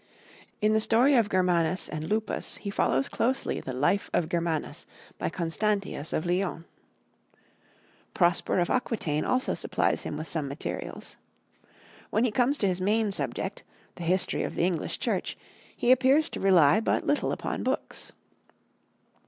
In the story of Germanus and Lupus he follows closely the Life of Germanus by Constantius of Lyons. Prosper of Aquitaine also supplies him with some materials. When he comes to his main subject, the History of the English Church, he appears to rely but little upon books.